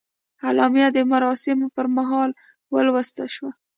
اعلامیه د مراسمو پر مهال ولوستل شوه.